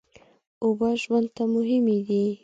اوبه ژوند ته مهمې دي.